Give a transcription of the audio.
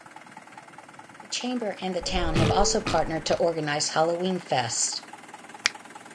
The Chamber and the Town have also partnered to organize Halloweenfest.